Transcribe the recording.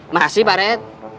masih pak red